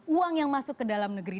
uang yang masuk ke dalam negeri